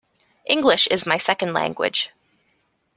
English is my second language.